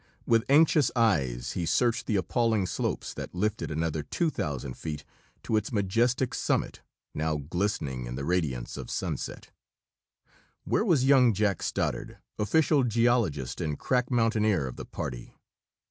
With anxious eyes he searched the appalling slopes that lifted another 2,000 feet to its majestic summit, now glistening in the radiance of sunset. Where was young Jack Stoddard, official geologist and crack mountaineer of the party?